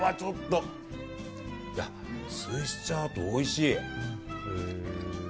スイスチャード、おいしい！